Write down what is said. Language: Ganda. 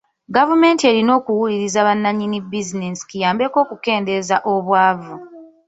Gavumenti erina okuwuliriza bananyini bizinesi kiyambeko okukendezza obwavu.